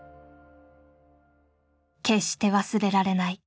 決して忘れられない